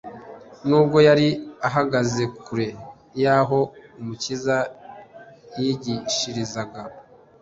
Nubwo yari ahagaze kure y'aho Umukiza yigishirizaga,